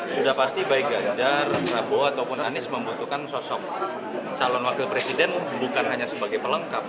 sudah pasti baik ganjar prabowo ataupun anies membutuhkan sosok calon wakil presiden bukan hanya sebagai pelengkap